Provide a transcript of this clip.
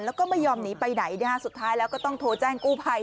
แล้วก็ไม่ยอมหนีไปไหนนะฮะสุดท้ายแล้วก็ต้องโทรแจ้งกู้ภัย